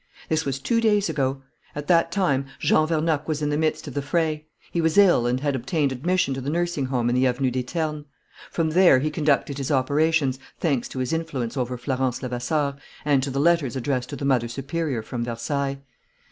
"This was two days ago. At that time, Jean Vernocq was in the midst of the fray. He was ill and had obtained admission to the nursing home in the Avenue des Ternes. From there he conducted his operations, thanks to his influence over Florence Levasseur and to the letters addressed to the mother superior from Versailles.